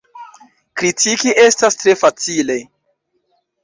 Kritiki estas tre facile.